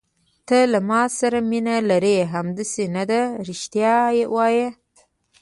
ته له ما سره مینه لرې، همداسې نه ده؟ رښتیا وایه.